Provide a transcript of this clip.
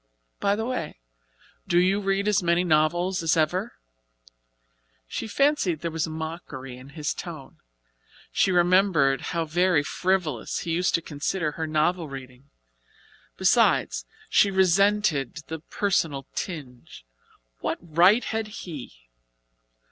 By the way, do you read as many novels as ever?" She fancied there was mockery in his tone. She remembered how very frivolous he used to consider her novel reading. Besides, she resented the personal tinge. What right had he?